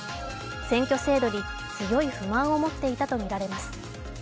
選挙制度に強い不満を持っていたとみられます。